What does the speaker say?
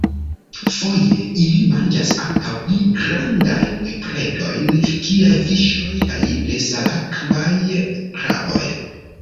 Foje ili manĝas ankaŭ pli grandajn predojn kiaj fiŝoj kaj nesalakvaj kraboj.